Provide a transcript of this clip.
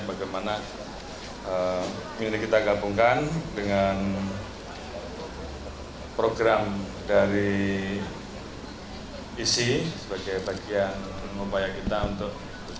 bagaimana ini kita gabungkan dengan program dari isi sebagai bagian upaya kita untuk